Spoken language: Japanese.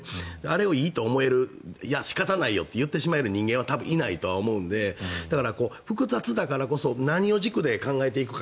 あれをいいよと思える仕方ないと言える人間はいないと思うのでだから複雑だからこそ何を軸で考えていくか